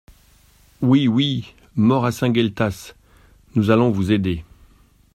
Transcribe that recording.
Oui, oui ! mort à Saint-Gueltas ! Nous allons vous aider.